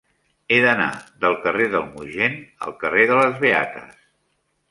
He d'anar del carrer del Mogent al carrer de les Beates.